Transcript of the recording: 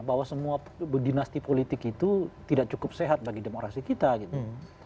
bahwa semua dinasti politik itu tidak cukup sehat bagi demokrasi kita gitu